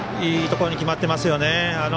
いいところに決まっていますよね。